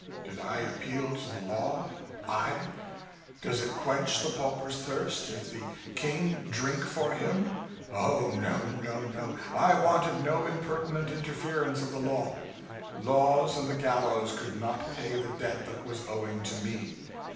Did I appeal to the law I? Does it quench the pauper's thirst if the King drink for him? Oh, no, no, no I wanted no impertinent interference of the law. Laws and the gallows could not pay the debt that was owing to me!